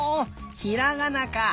ひらがなか！